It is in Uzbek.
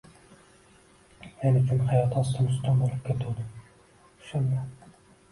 Men uchun hayot ostin-ustun bo‘lib ketuvdi o‘shanda